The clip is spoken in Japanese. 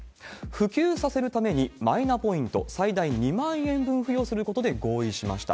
普及させるためにマイナポイント最大２万円分付与することで合意しました。